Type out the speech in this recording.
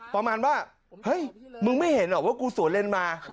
ประมาณว่าเฮ้ยคุณไม่เห็นกว่าคุณปีนสวนเลนส์มา